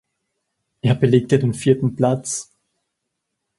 Er belegte den vierten Platz.